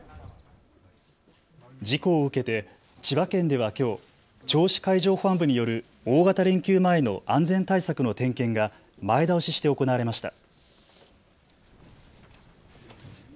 事故を受けて千葉県ではきょう銚子海上保安部による大型連休前の安全対策の点検が前倒しして行われました。